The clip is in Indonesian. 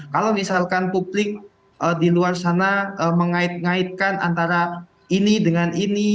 kalau misalkan publik di luar sana mengait ngaitkan antara ini dengan ini